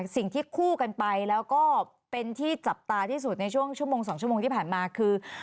สิ่งที่คู่กันไปแล้วก็เป็นที่จับตาที่สุดในช่วงชั่วโมง๒ชั่วโมงที่ผ่านมาคือ